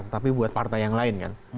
tetapi buat partai yang lain kan